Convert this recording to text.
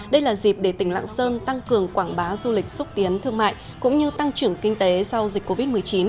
đây là dịp để tỉnh lạng sơn tăng cường quảng bá du lịch xúc tiến thương mại cũng như tăng trưởng kinh tế sau dịch covid một mươi chín